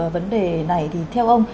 vấn đề này thì theo ông